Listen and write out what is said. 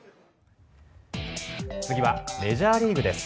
次はメジャーリーグです。